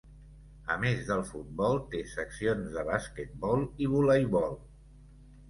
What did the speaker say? A més del futbol té seccions de basquetbol i voleibol.